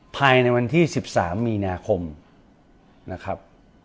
ภายในวันที่๑๓มีนาคมนะครับ